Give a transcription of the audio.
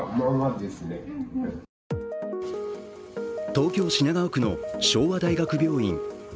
東京・品川区の昭和大学病院。